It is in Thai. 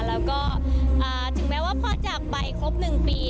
แล้วก็ถึงแม้ว่าพ่อจากไปครบ๑ปี